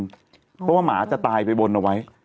เพราะว่าหมาจะตายไปบนเอาไว้